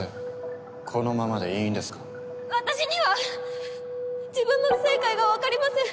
私には自分の正解がわかりません。